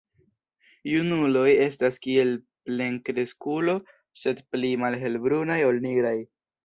Junuloj estas kiel plenkreskulo, sed pli malhelbrunaj ol nigraj.